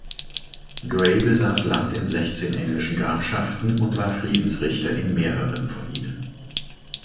Grey besaß Land in sechzehn englischen Grafschaften und war Friedensrichter in mehreren von ihnen.